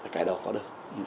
cái đó có được